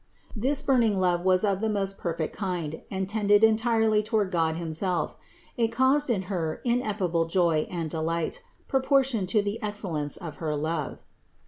This burning love was of the most perfect kind and tended entirely to ward God himself; it caused in Her ineffable joy and delight, proportioned to the excellence of her love.